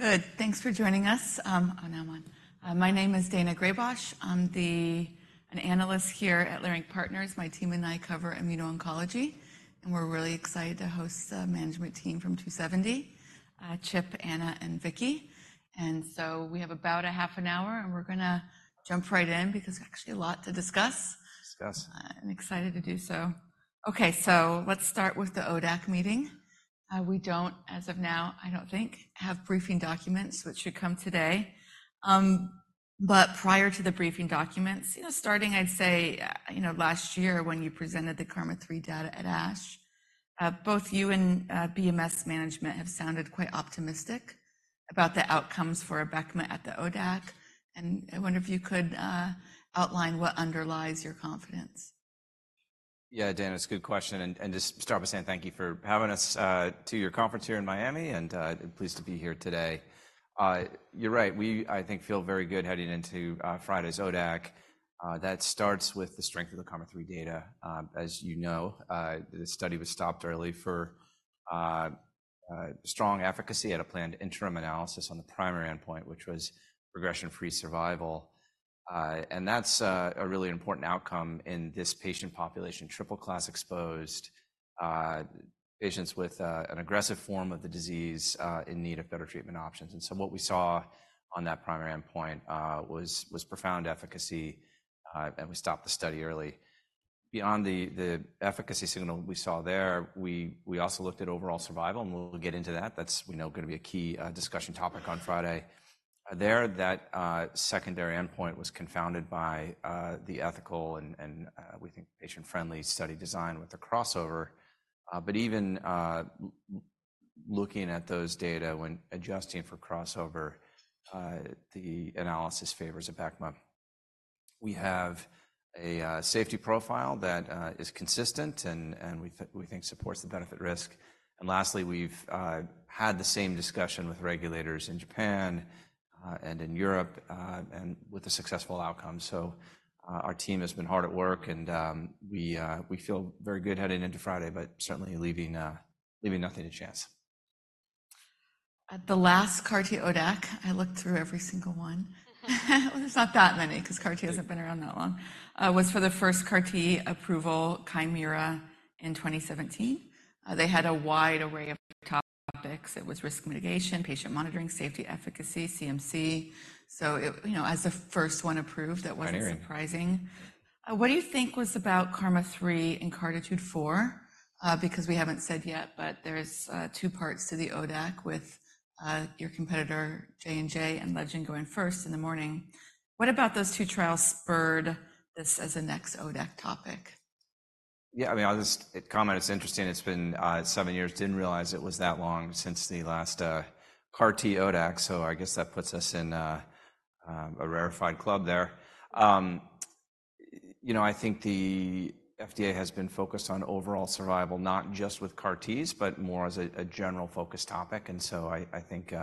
Good. Thanks for joining us on Day 1. My name is Daina Graybosch. I'm an analyst here at Leerink Partners. My team and I cover immuno-oncology, and we're really excited to host the management team from 2seventy, Chip, Anna, and Vicki. So we have about a half an hour, and we're gonna jump right in because there's actually a lot to discuss. Discuss. I'm excited to do so. Okay, so let's start with the ODAC meeting. We don't, as of now, I don't think, have briefing documents, which should come today. But prior to the briefing documents, you know, starting, I'd say, you know, last year when you presented the KarMMa-3 data at ASH, both you and BMS management have sounded quite optimistic about the outcomes for Abecma at the ODAC, and I wonder if you could outline what underlies your confidence. Yeah, Daina, it's a good question, and just start by saying thank you for having us to your conference here in Miami, and pleased to be here today. You're right. We, I think, feel very good heading into Friday's ODAC. That starts with the strength of the KarMMa-3 data. As you know, the study was stopped early for strong efficacy at a planned interim analysis on the primary endpoint, which was progression-free survival. And that's a really important outcome in this patient population, triple-class-exposed patients with an aggressive form of the disease in need of better treatment options. And so what we saw on that primary endpoint was profound efficacy, and we stopped the study early. Beyond the efficacy signal we saw there, we also looked at overall survival, and we'll get into that. That's, we know, gonna be a key discussion topic on Friday. That secondary endpoint was confounded by the ethical and we think patient-friendly study design with the crossover. But even looking at those data when adjusting for crossover, the analysis favors Abecma. We have a safety profile that is consistent and we think supports the benefit risk. And lastly, we've had the same discussion with regulators in Japan and in Europe and with a successful outcome. So, our team has been hard at work and we feel very good heading into Friday, but certainly leaving nothing to chance. At the last CAR-T ODAC, I looked through every single one. Well, there's not that many because CAR-T hasn't been around that long. Was for the first CAR-T approval, Kymriah, in 2017. They had a wide array of topics. It was risk mitigation, patient monitoring, safety, efficacy, CMC. So it—you know, as the first one approved. Right. That wasn't surprising. What do you think was about KarMMa-3 and CARTITUDE-4? Because we haven't said yet, but there's two parts to the ODAC with your competitor, J&J, and Legend going first in the morning. What about those two trials spurred this as a next ODAC topic? Yeah, I mean, I'll just comment. It's interesting. It's been seven years. Didn't realize it was that long since the last CAR-T ODAC, so I guess that puts us in a rarefied club there. You know, I think the FDA has been focused on overall survival, not just with CAR-Ts, but more as a general focus topic. And so I think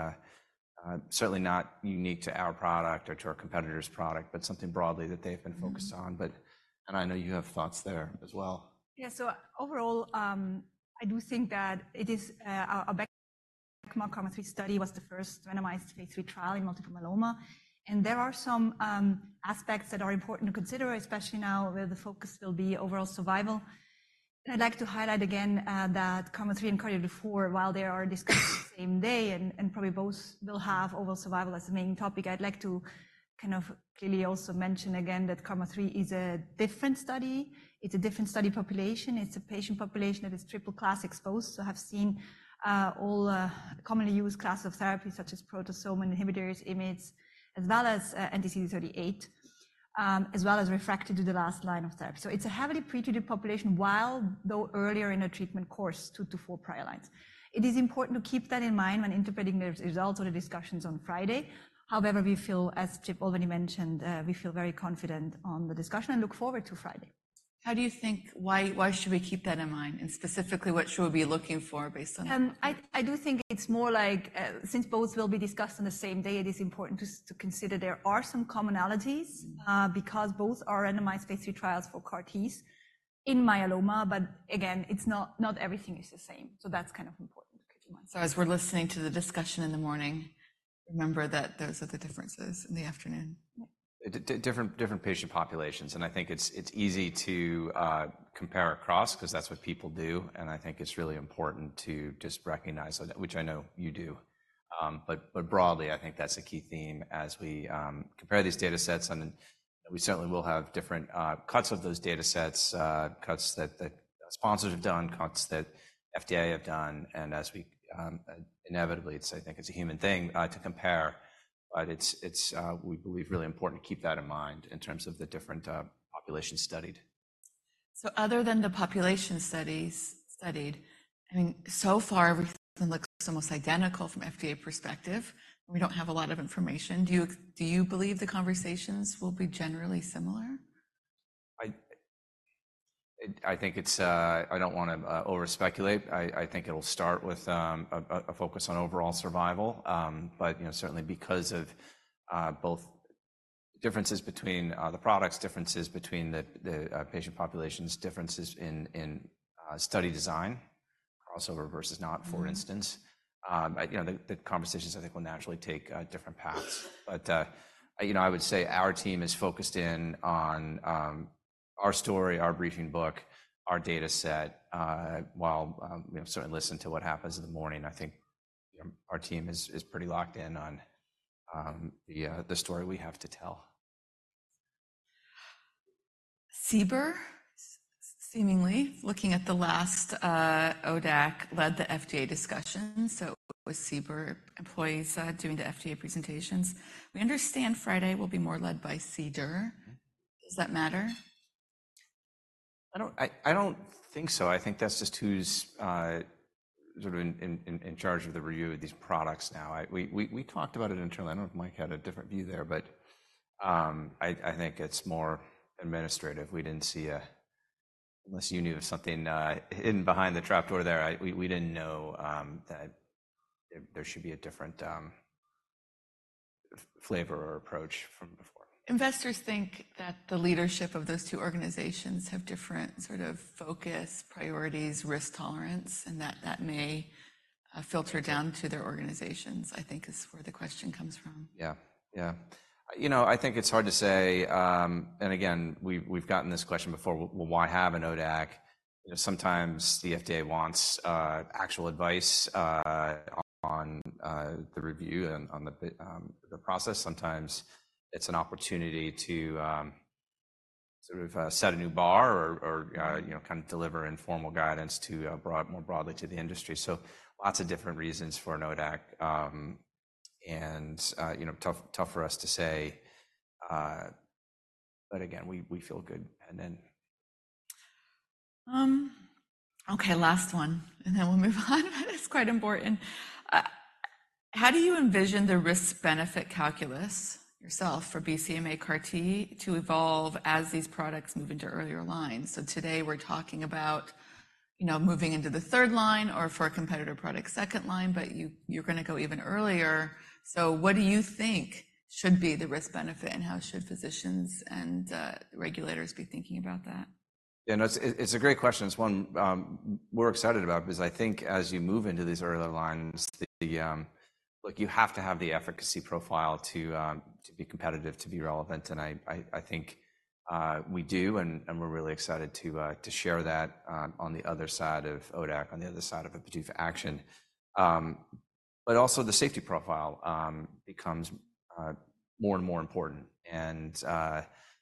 certainly not unique to our product or to our competitor's product, but something broadly that they've been focused on. But... And I know you have thoughts there as well. Yeah, so overall, I do think that it is, our Abecma KarMMa-3 study was the first randomized phase three trial in multiple myeloma, and there are some aspects that are important to consider, especially now, where the focus will be overall survival. And I'd like to highlight again, that KarMMa-3 and CARTITUDE-4, while they are discussed the same day and probably both will have overall survival as the main topic, I'd like to kind of clearly also mention again that KarMMa-3 is a different study. It's a different study population. It's a patient population that is triple-class exposed, so have seen all commonly used classes of therapy, such as proteasome inhibitors, IMiDs, as well as anti-CD38, as well as refractory to the last line of therapy. So it's a heavily pretreated population, while though earlier in the treatment course, 2-4 prior lines. It is important to keep that in mind when interpreting the results or the discussions on Friday. However, we feel, as Chip already mentioned, we feel very confident on the discussion and look forward to Friday. How do you think? Why, why should we keep that in mind? Specifically, what should we be looking for based on that? I do think it's more like, since both will be discussed on the same day, it is important to consider there are some commonalities- Mm-hmm. because both are randomized phase 3 trials for CAR-Ts in myeloma. But again, it's not not everything is the same, so that's kind of important to keep in mind. As we're listening to the discussion in the morning, remember that those are the differences in the afternoon. Yeah. Different patient populations, and I think it's easy to compare across because that's what people do, and I think it's really important to just recognize that, which I know you do. But broadly, I think that's a key theme as we compare these data sets, and we certainly will have different cuts of those data sets, cuts that the sponsors have done, cuts that FDA have done. And as we inevitably, it's—I think it's a human thing to compare, but it's we believe really important to keep that in mind in terms of the different populations studied. Other than the population studies studied, I mean, so far, everything looks almost identical from FDA perspective. We don't have a lot of information. Do you, do you believe the conversations will be generally similar? I think it's. I don't want to over-speculate. I think it'll start with a focus on overall survival, but you know, certainly because of differences between the products, differences between the patient populations, differences in study design, crossover versus not, for instance. You know, the conversations I think will naturally take different paths. But you know, I would say our team is focused in on our story, our briefing book, our data set, while you know, certainly listen to what happens in the morning. I think our team is pretty locked in on the story we have to tell. CBER, seemingly, looking at the last ODAC, led the FDA discussion, so it was CBER employees doing the FDA presentations. We understand Friday will be more led by CDER. Does that matter? I don't think so. I think that's just who's sort of in charge of the review of these products now. We talked about it internally. I don't know if Mike had a different view there, but I think it's more administrative. We didn't see a... Unless you knew of something hidden behind the trapdoor there, we didn't know that there should be a different flavor or approach from before. Investors think that the leadership of those two organizations have different sort of focus, priorities, risk tolerance, and that that may filter down- Okay to their organizations, I think is where the question comes from. Yeah. Yeah. You know, I think it's hard to say, and again, we've gotten this question before, well, why have an ODAC? You know, sometimes the FDA wants actual advice on the review and on the process. Sometimes it's an opportunity to sort of set a new bar or, you know, kind of deliver informal guidance to more broadly to the industry. So lots of different reasons for an ODAC, and, you know, tough for us to say. But again, we feel good and then... Okay, last one, and then we'll move on, but it's quite important. How do you envision the risk-benefit calculus yourself for BCMA CAR T to evolve as these products move into earlier lines? So today, we're talking about, you know, moving into the third line or for a competitor product, second line, but you're gonna go even earlier. So what do you think should be the risk-benefit, and how should physicians and regulators be thinking about that? Yeah, no, it's, it's a great question. It's one, we're excited about because I think as you move into these earlier lines, the... Look, you have to have the efficacy profile to, to be competitive, to be relevant, and I, I, I think, we do, and, and we're really excited to, to share that, on the other side of ODAC, on the other side of a PDUFA action. But also, the safety profile, becomes, more and more important, and,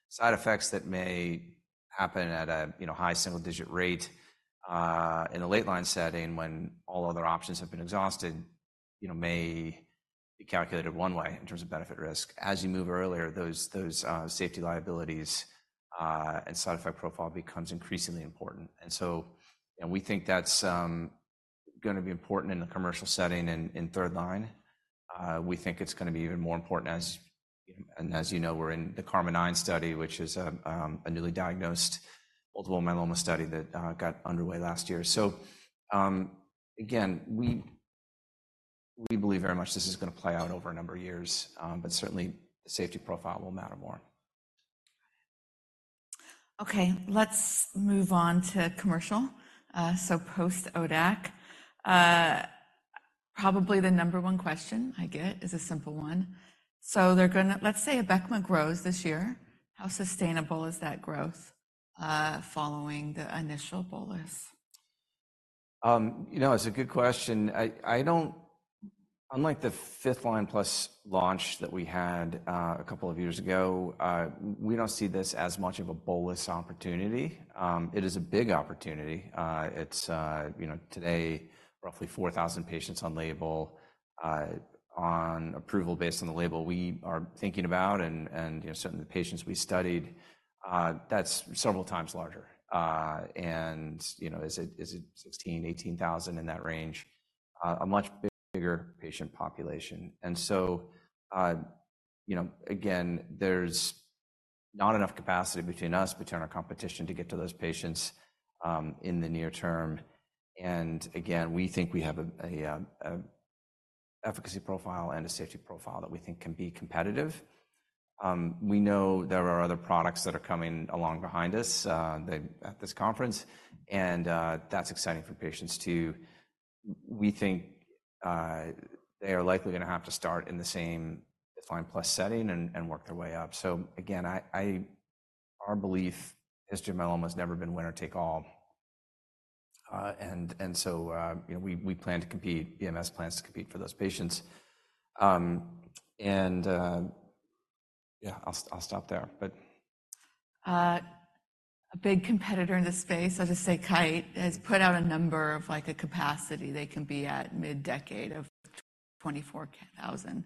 side effects that may happen at a, you know, high single-digit rate, in a late-line setting when all other options have been exhausted, you know, may be calculated one way in terms of benefit-risk. As you move earlier, those, those, safety liabilities, and side effect profile becomes increasingly important. We think that's gonna be important in a commercial setting in third line. We think it's gonna be even more important as... And as you know, we're in the KarMMa-9 study, which is a newly diagnosed multiple myeloma study that got underway last year. So, again, we believe very much this is gonna play out over a number of years, but certainly, the safety profile will matter more. Okay, let's move on to commercial. So post-ODAC, probably the number one question I get is a simple one. So they're gonna. Let's say Abecma grows this year. How sustainable is that growth, following the initial bolus? You know, it's a good question. I don't. Unlike the fifth-line plus launch that we had, a couple of years ago, we don't see this as much of a bolus opportunity. It is a big opportunity. It's, you know, today, roughly 4,000 patients on label, on approval based on the label we are thinking about, and, you know, certain patients we studied, that's several times larger. And, you know, is it 16,000-18,000 in that range? A much bigger patient population. And so, you know, again, there's not enough capacity between us, between our competition to get to those patients, in the near term. And again, we think we have a efficacy profile and a safety profile that we think can be competitive. We know there are other products that are coming along behind us, they at this conference, and that's exciting for patients, too. We think they are likely gonna have to start in the same fifth-line plus setting and work their way up. So again, our belief is myeloma has never been winner take all. And so, you know, we plan to compete, BMS plans to compete for those patients. Yeah, I'll stop there, but... A big competitor in this space, I'll just say Kite, has put out a number of, like, a capacity they can be at mid-decade of 24,000.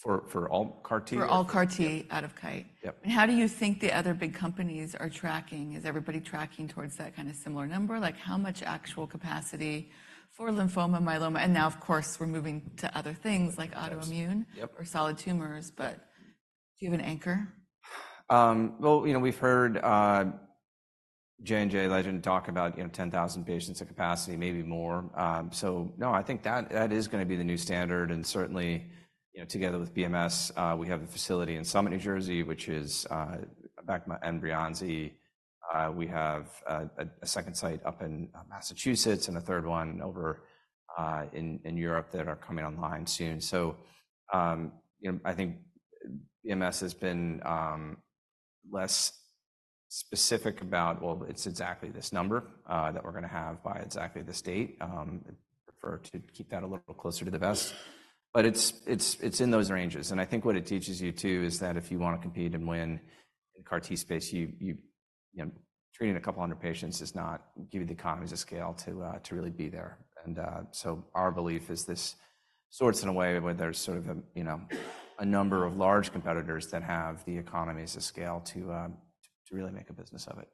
For all CAR T? For all CAR-T- Yeah out of CAR-T Yep. How do you think the other big companies are tracking? Is everybody tracking towards that kind of similar number? Like, how much actual capacity for lymphoma, myeloma, and now, of course, we're moving to other things like autoimmune Yep or solid tumors, but do you have an anchor? Well, you know, we've heard J&J Legend talk about, you know, 10,000 patients of capacity, maybe more. So no, I think that that is going to be the new standard, and certainly, you know, together with BMS, we have a facility in Summit, New Jersey, which is Abecma and Breyanzi. We have a second site up in Massachusetts and a third one over in Europe that are coming online soon. So, you know, I think BMS has been less specific about, well, it's exactly this number that we're going to have by exactly this date. Prefer to keep that a little closer to the vest, but it's, it's, it's in those ranges, and I think what it teaches you, too, is that if you want to compete and win in CAR T space, you know, treating a couple hundred patients does not give you the economies of scale to really be there. And so our belief is this sorts in a way where there's sort of a, you know, a number of large competitors that have the economies of scale to really make a business of it.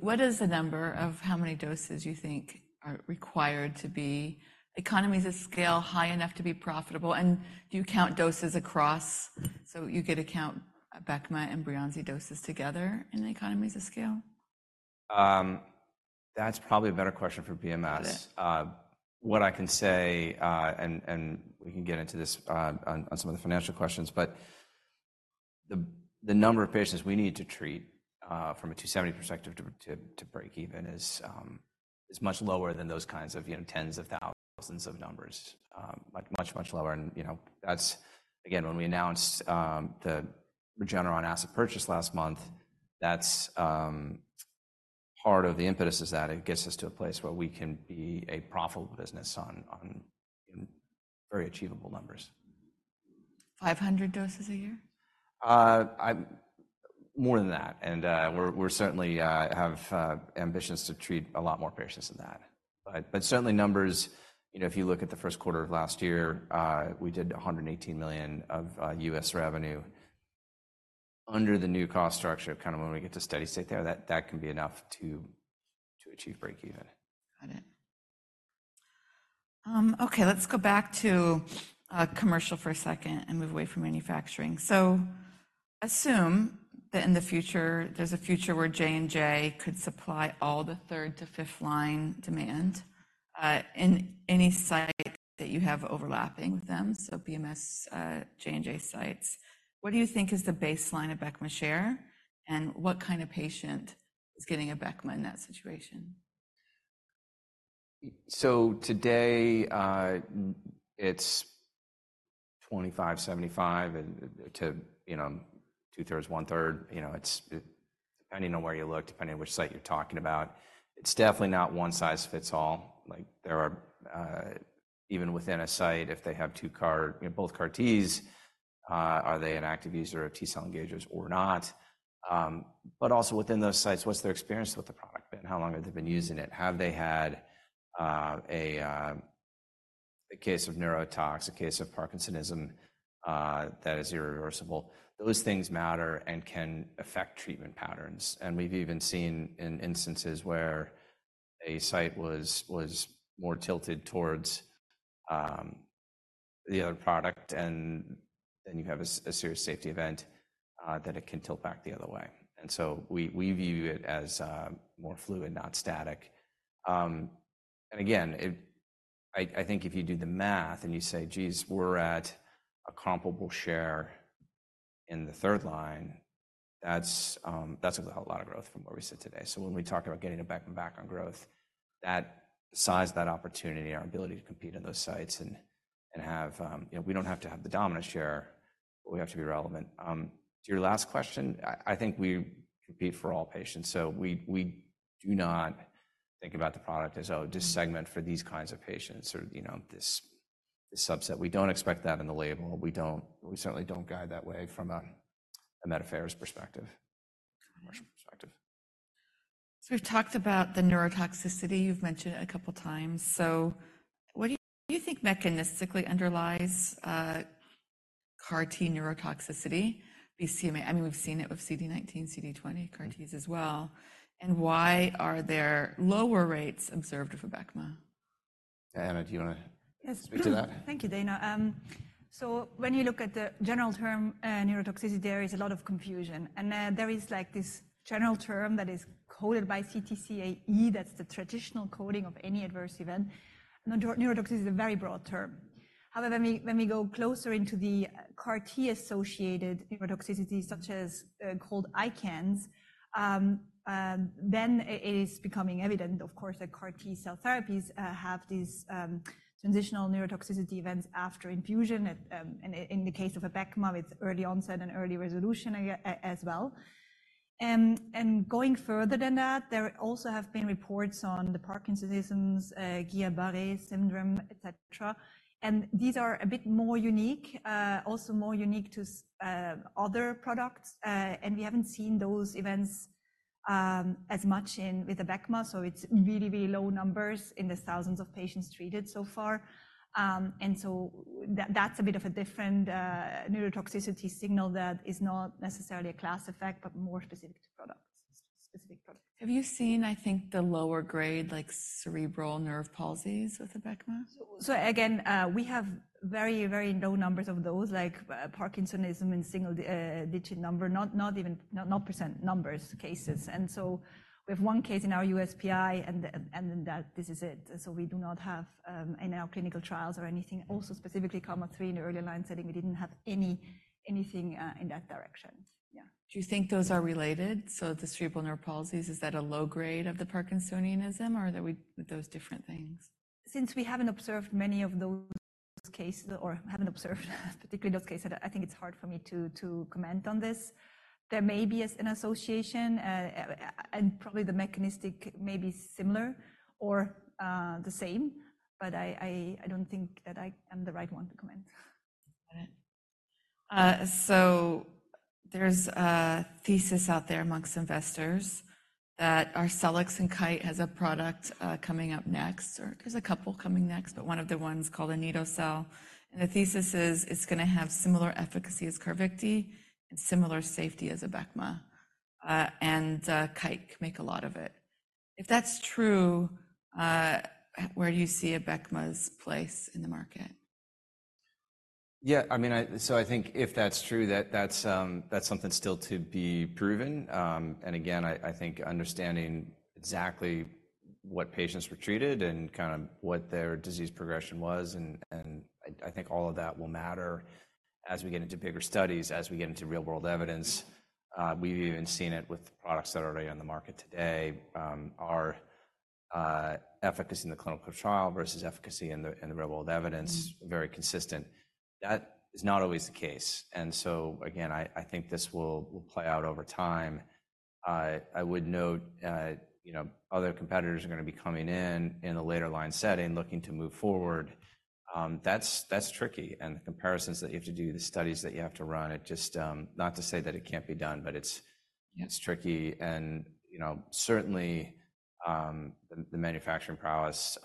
What is the number of how many doses you think are required to be economies of scale high enough to be profitable? And do you count doses across, so you could account Abecma and Breyanzi doses together in the economies of scale? That's probably a better question for BMS. Okay. What I can say, and we can get into this on some of the financial questions, but the number of patients we need to treat from a 2seventy perspective to break even is much lower than those kinds of, you know, tens of thousands of numbers. Much, much, much lower, and you know, that's... Again, when we announced the Regeneron asset purchase last month, that's part of the impetus is that it gets us to a place where we can be a profitable business on in very achievable numbers. 500 doses a year? More than that, and we're, we certainly have ambitions to treat a lot more patients than that. But certainly numbers, you know, if you look at the first quarter of last year, we did $118 million of U.S. revenue. Under the new cost structure, kind of when we get to steady state there, that can be enough to achieve break even. Got it. Okay, let's go back to commercial for a second and move away from manufacturing. So assume that in the future, there's a future where J&J could supply all the third to fifth-line demand in any site that you have overlapping with them, so BMS, J&J sites. What do you think is the baseline of Abecma share, and what kind of patient is getting Abecma in that situation? So today, it's 25-75 and 2/3-1/3. You know, it's depending on where you look, depending on which site you're talking about, it's definitely not one size fits all. Like, there are even within a site, if they have two CAR, you know, both CAR-Ts, are they an active user of T-cell engagers or not? But also within those sites, what's their experience with the product been? How long have they been using it? Have they had a case of neurotox, a case of Parkinsonism that is irreversible? Those things matter and can affect treatment patterns, and we've even seen in instances where a site was more tilted towards the other product, and then you have a serious safety event that it can tilt back the other way. So we view it as more fluid, not static. And again, I think if you do the math, and you say: Geez, we're at a comparable share in the third line, that's a whole lot of growth from where we sit today. So when we talk about getting it back and back on growth, that size, that opportunity, our ability to compete in those sites and have. You know, we don't have to have the dominant share, but we have to be relevant. To your last question, I think we compete for all patients, so we do not think about the product as, oh, just segment for these kinds of patients or, you know, this subset. We don't expect that in the label. We certainly don't guide that way from a medical affairs perspective, commercial perspective. So we've talked about the neurotoxicity. You've mentioned it a couple of times. So what do you, do you think mechanistically underlies, CAR-T neurotoxicity, BCMA? I mean, we've seen it with CD19, CD20 CAR-Ts as well. And why are there lower rates observed with Abecma? Anna, do you want to Yes. Speak to that? Thank you, Daina. So when you look at the general term, neurotoxicity, there is a lot of confusion, and there is, like, this general term that is coded by CTCAE. That's the traditional coding of any adverse event. Neurotoxicity is a very broad term. However, when we go closer into the CAR-T-associated neurotoxicity, such as called ICANS, then it is becoming evident, of course, that CAR-T-cell therapies have these transitional neurotoxicity events after infusion, and in the case of Abecma, with early onset and early resolution, as well. And going further than that, there also have been reports on the Parkinsonism, Guillain-Barré syndrome, et cetera, and these are a bit more unique, also more unique to other products, and we haven't seen those events as much in with Abecma, so it's really, really low numbers in the thousands of patients treated so far. And so that, that's a bit of a different neurotoxicity signal that is not necessarily a class effect, but more specific to products. Have you seen, I think, the lower grade, like cerebral nerve palsies with Abecma? So again, we have very, very low numbers of those, like Parkinsonism in single digit number, not, not even, not, not percent numbers, cases. And so we have one case in our USPI, and, and, and that this is it. So we do not have, in our clinical trials or anything. Also, specifically KarMMa-3 in the early line setting, we didn't have anything in that direction. Yeah. Do you think those are related? So the cranial nerve palsies, is that a low grade of the Parkinsonism, or are we—those different things? Since we haven't observed many of those cases or haven't observed particularly those cases, I think it's hard for me to comment on this. There may be an association, and probably the mechanism may be similar or the same, but I don't think that I am the right one to comment. So there's a thesis out there amongst investors that Arcellx and Kite has a product, coming up next, or there's a couple coming next, but one of the ones called anito-cel. And the thesis is it's gonna have similar efficacy as Carvykti and similar safety as Abecma, and Kite make a lot of it. If that's true, where do you see Abecma's place in the market? Yeah, I mean, so I think if that's true, that's something still to be proven. And again, I think understanding exactly what patients were treated and kind of what their disease progression was, and I think all of that will matter as we get into bigger studies, as we get into real-world evidence. We've even seen it with products that are already on the market today. Our efficacy in the clinical trial versus efficacy in the real-world evidence. Very consistent. That is not always the case. And so, again, I think this will play out over time. I would note, you know, other competitors are gonna be coming in in a later line setting, looking to move forward. That's tricky, and the comparisons that you have to do, the studies that you have to run, it just... Not to say that it can't be done, but it's tricky. And, you know, certainly, the manufacturing prowess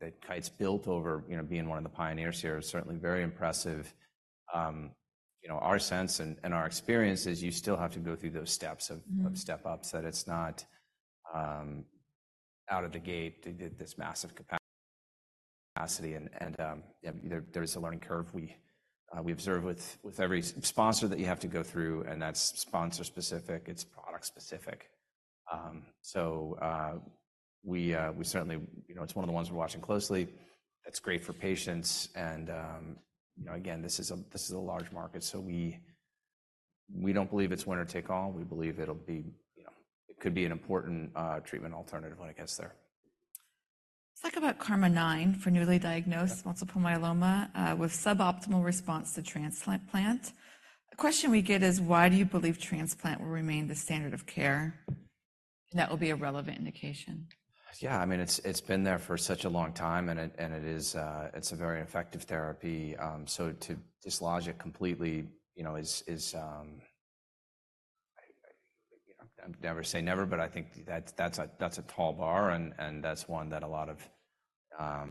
that Kite's built over, you know, being one of the pioneers here is certainly very impressive. You know, our sense and our experience is you still have to go through those steps. Step ups, that it's not out of the gate, this massive capacity, and there is a learning curve. We observe with every sponsor that you have to go through, and that's sponsor-specific, it's product-specific. We certainly... You know, it's one of the ones we're watching closely. It's great for patients, and, you know, again, this is a large market, so we don't believe it's winner take all. We believe it'll be, you know, it could be an important treatment alternative when it gets there. Let's talk about KarMMa-9 for newly diagnosed multiple myeloma. Yeah with suboptimal response to transplant. A question we get is, "Why do you believe transplant will remain the standard of care? That will be a relevant indication. Yeah, I mean, it's been there for such a long time, and it is, it's a very effective therapy. So to dislodge it completely, you know, is, I, you know, never say never, but I think that's a tall bar, and that's one that a lot of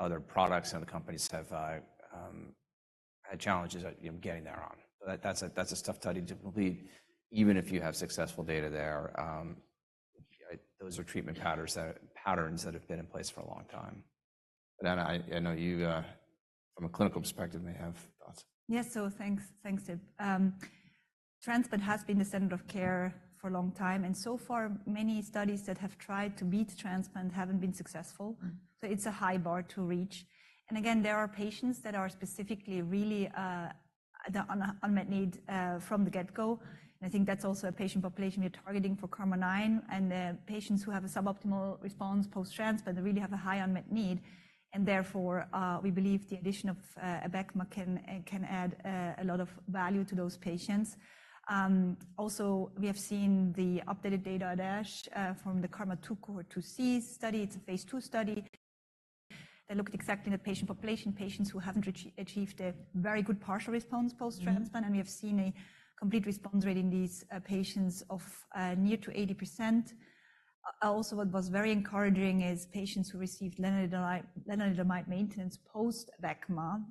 other products and other companies have had challenges, you know, getting there on. But that's a tough study to believe, even if you have successful data there. Those are treatment patterns that have been in place for a long time. Anna, I know you from a clinical perspective may have thoughts. Yes. So thanks, thanks, Chip. Transplant has been the standard of care for a long time, and so far, many studies that have tried to beat transplant haven't been successful. So it's a high bar to reach. And again, there are patients that are specifically really, the unmet need, from the get-go, and I think that's also a patient population you're targeting for KarMMa-9. And the patients who have a suboptimal response post-transplant, they really have a high unmet need, and therefore, we believe the addition of Abecma can add a lot of value to those patients. Also, we have seen the updated data at ASH from the KarMMa-2 cohort 2C study. It's a phase II study that looked exactly the patient population, patients who haven't achieved a very good partial response post-transplant. We have seen a complete response rate in these patients of near to 80%. Also, what was very encouraging is patients who received lenalidomide maintenance post-Abecma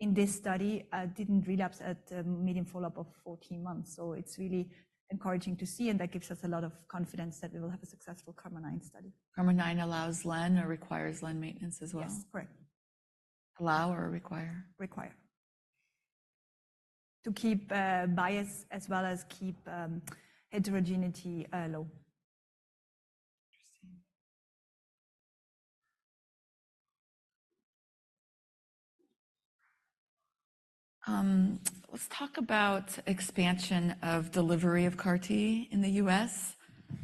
in this study didn't relapse at a median follow-up of 14 months. So it's really encouraging to see, and that gives us a lot of confidence that we will have a successful KarMMa-9 study. KarMMa-9 allows len or requires len maintenance as well? Yes, correct. Allow or require? Require to keep bias as well as keep heterogeneity low. Interesting. Let's talk about expansion of delivery of CAR-T in the U.S.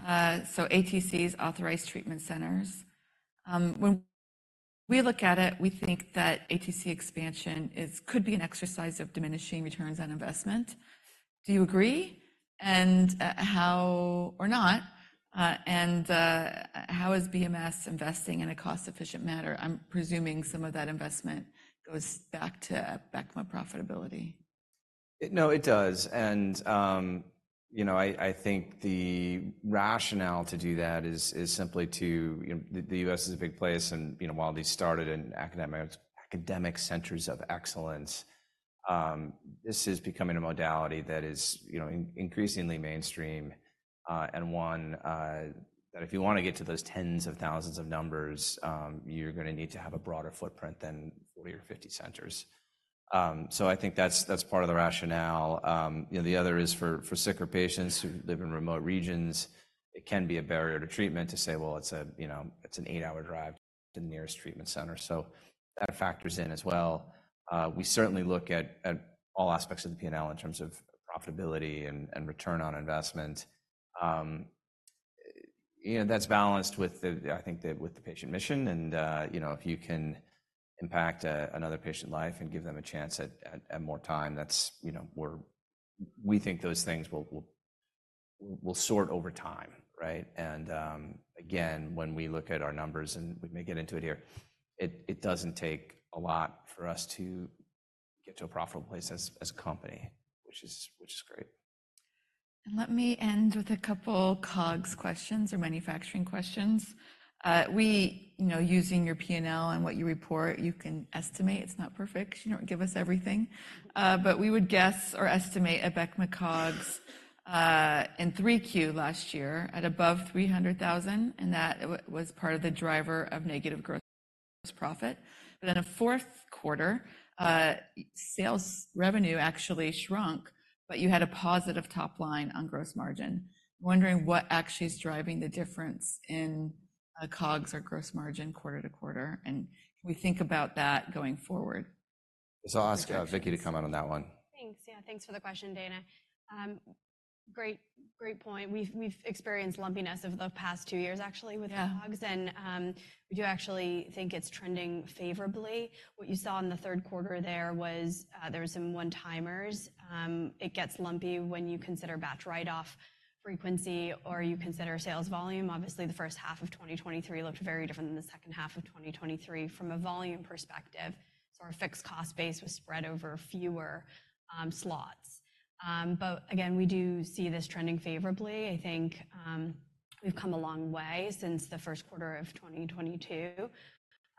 So ATCs, Authorized Treatment Centers. When we look at it, we think that ATC expansion is—could be an exercise of diminishing returns on investment. Do you agree? And, how... Or not. And, how is BMS investing in a cost-efficient manner? I'm presuming some of that investment goes back to Abecma profitability. No, it does. You know, I think the rationale to do that is simply to... You know, the U.S. is a big place, and, you know, while these started in academic centers of excellence, this is becoming a modality that is, you know, increasingly mainstream. And one that if you want to get to those tens of thousands of numbers, you're going to need to have a broader footprint than 40 or 50 centers. So I think that's part of the rationale. You know, the other is for sicker patients who live in remote regions; it can be a barrier to treatment to say, well, it's a, you know, it's an 8-hour drive to the nearest treatment center, so that factors in as well. We certainly look at all aspects of the P&L in terms of profitability and return on investment. You know, that's balanced with the, I think the, with the patient mission and, you know, if you can impact another patient life and give them a chance at more time, that's, you know, we think those things will sort over time, right? And, again, when we look at our numbers, and we may get into it here, it doesn't take a lot for us to get to a profitable place as a company, which is great. Let me end with a couple COGS questions or manufacturing questions. We, you know, using your P&L and what you report, you can estimate. It's not perfect. You don't give us everything, but we would guess or estimate an Abecma COGS in 3Q last year at above $300,000, and that was part of the driver of negative gross profit. But then in the fourth quarter, sales revenue actually shrunk, but you had a positive top line on gross margin. Wondering what actually is driving the difference in a COGS or gross margin quarter to quarter, and we think about that going forward. I'll ask Vicki to comment on that one. Thanks. Yeah, thanks for the question, Daina. Great, great point. We've, we've experienced lumpiness over the past two years, actually. Yeah With COGS, and we do actually think it's trending favorably. What you saw in the third quarter there was, there were some one-timers. It gets lumpy when you consider batch write-off frequency, or you consider sales volume. Obviously, the first half of 2023 looked very different than the second half of 2023 from a volume perspective, so our fixed cost base was spread over fewer slots. But again, we do see this trending favorably. I think, we've come a long way since the first quarter of 2022,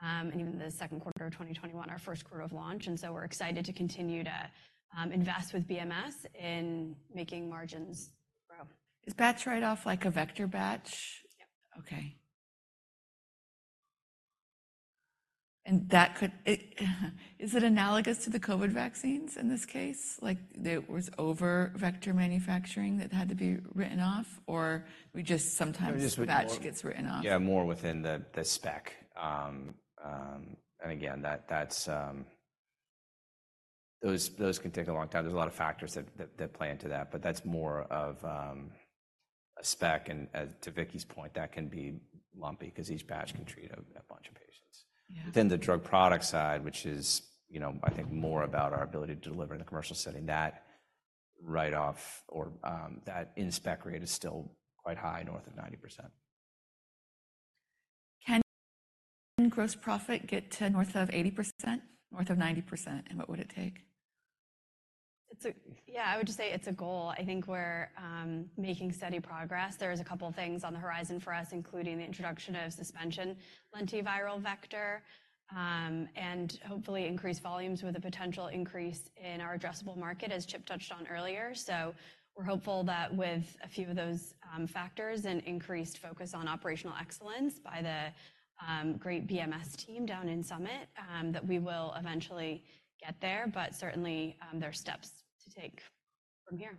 and even the second quarter of 2021, our first quarter of launch, and so we're excited to continue to invest with BMS in making margins grow. Is batch write-off like a vector batch? Yep. Okay. And that could... Is it analogous to the COVID vaccines in this case? Like there was over-vector manufacturing that had to be written off, or we just sometimes It just. Batch gets written off? Yeah, more within the spec. And again, that's those can take a long time. There's a lot of factors that play into that, but that's more of a spec, and as to Vicki's point, that can be lumpy 'cause each batch can treat a bunch of patients. Yeah. Within the drug product side, which is, you know, I think more about our ability to deliver in a commercial setting, that write-off or that in spec rate is still quite high, north of 90%. Can gross profit get to north of 80%, north of 90%, and what would it take? It's a goal. Yeah, I would just say it's a goal. I think we're making steady progress. There's a couple of things on the horizon for us, including the introduction of suspension lentiviral vector, and hopefully increased volumes with a potential increase in our addressable market, as Chip touched on earlier. So we're hopeful that with a few of those factors and increased focus on operational excellence by the great BMS team down in Summit, that we will eventually get there, but certainly there are steps to take from here.